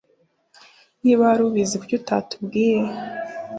Niba wari ubizi, kuki utatubwiye?